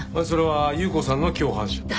それは優子さんの共犯者？